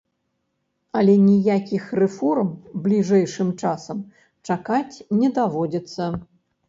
Але ніякіх рэформ бліжэйшым часам чакаць не даводзіцца.